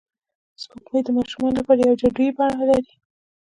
سپوږمۍ د ماشومانو لپاره یوه جادويي بڼه لري